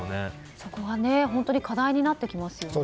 そこは本当に課題になってきますね。